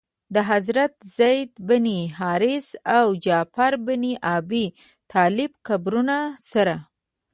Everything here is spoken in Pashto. د حضرت زید بن حارثه او جعفر بن ابي طالب قبرونو سره.